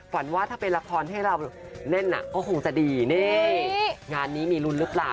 ว่าถ้าเป็นละครให้เราเล่นอ่ะก็คงจะดีนี่งานนี้มีลุ้นหรือเปล่า